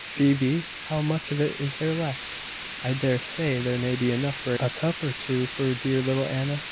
Phoebe, how much of it is there left? I dare say there may be enough for a cup or two for dear little Anna."